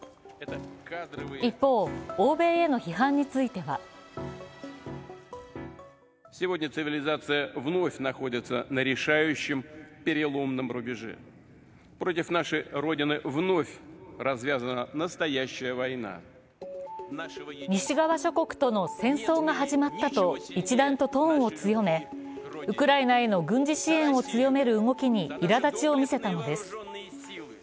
一方、欧米への批判については西側諸国との戦争が始まったと一段とトーンを強めウクライナへの軍事支援を強める動きにいらだちを見せたのです。